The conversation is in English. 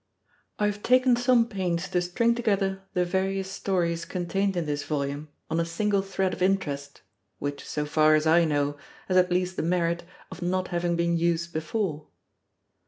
I have taken some pains to string together the various stories contained in this Volume on a single thread of interest, which, so far as I know, has at least the merit of not having been used before.